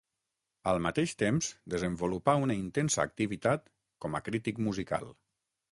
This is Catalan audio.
Al mateix temps desenvolupà una intensa activitat com a crític musical.